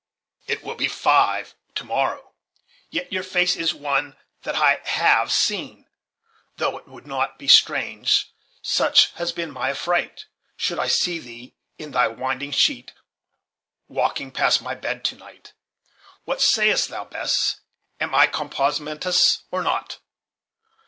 "It will be five to morrow. Yet your face is one that I have seen; though it would not be strange, such has been my affright, should I see thee in thy winding sheet walking by my bedside to night. What say'st thou, Bess? Am I compos mentis or not?